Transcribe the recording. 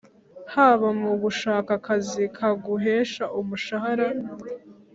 haba mu gushaka akazi kaguhesha umushahara